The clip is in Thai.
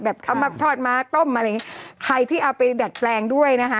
เอามาทอดม้าต้มอะไรอย่างงี้ใครที่เอาไปดัดแปลงด้วยนะคะ